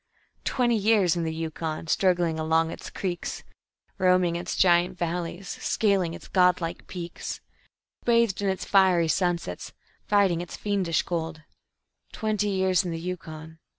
"Twenty years in the Yukon, struggling along its creeks; Roaming its giant valleys, scaling its god like peaks; Bathed in its fiery sunsets, fighting its fiendish cold Twenty years in the Yukon...